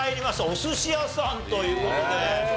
お寿司屋さんという事で。